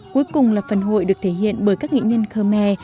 cuối cùng là phần hội được thể hiện bởi các nghệ nhân khmer